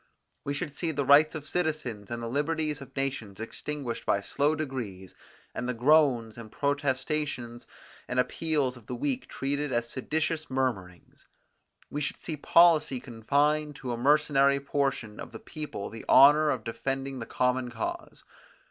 We should see the rights of citizens, and the liberties of nations extinguished by slow degrees, and the groans, and protestations and appeals of the weak treated as seditious murmurings. We should see policy confine to a mercenary portion of the people the honour of defending the common cause.